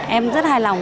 dạ em rất hài lòng